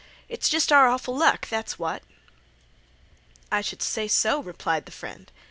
It's just our awful luck, that's what." "I should say so," replied the friend.